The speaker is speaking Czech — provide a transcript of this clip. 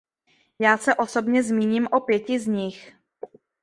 Já se osobně zmíním o pěti z nich.